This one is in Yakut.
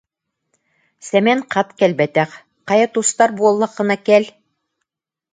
Сэмэн хат кэлбэтэх: «Хайа тустар буоллаххына кэл»